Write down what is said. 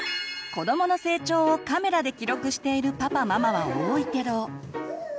子どもの成長をカメラで記録しているパパママは多いけど。